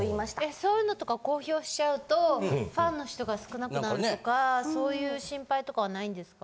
そういうのとか公表しちゃうとファンの人が少なくなるとかそういう心配とかはないんですか。